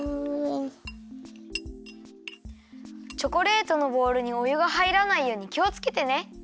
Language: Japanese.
チョコレートのボウルにおゆがはいらないようにきをつけてね。